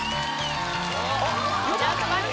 やっぱり。